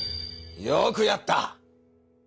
よくやった！